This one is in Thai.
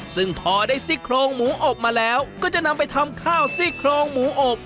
ซึ่งพอได้ซี่โครงหมูอบมาแล้วก็จะนำไปทำข้าวซี่โครงหมูอบ